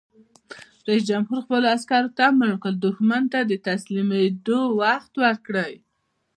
رئیس جمهور خپلو عسکرو ته امر وکړ؛ دښمن ته د تسلیمېدو وخت ورکړئ!